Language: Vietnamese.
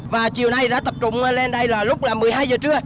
và chiều nay đã tập trung lên đây là lúc là một mươi hai giờ trưa